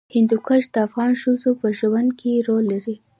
هندوکش د افغان ښځو په ژوند کې رول لري.